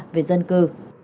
về dân cư